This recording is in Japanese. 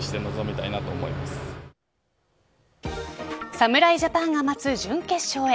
侍ジャパンが待つ準決勝へ。